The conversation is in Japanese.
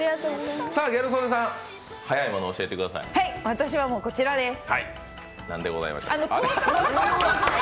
私はこちらです。